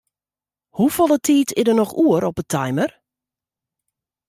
Hoefolle tiid is der noch oer op 'e timer?